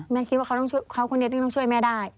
แม่คิดว่าเขาคนเดียวต้องช่วยแม่ได้